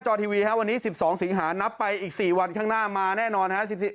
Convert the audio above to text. ด้วยจอทีวีวันนี้๑๒สิงหาฯนับไปอีก๔วันข้างหน้ามาแน่นอน